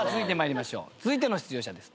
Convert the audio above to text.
続いての出場者です。